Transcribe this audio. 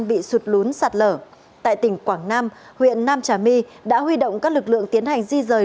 bị sụt lún sạt lở tại tỉnh quảng nam huyện nam trà my đã huy động các lực lượng tiến hành di rời